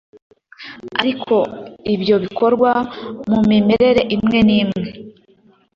ariko ibyo bikorwa mu mimerere imwe n imwe